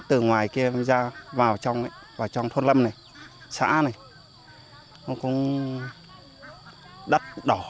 từ ngoài kia mới ra vào trong thôn lâm này xã này đất đỏ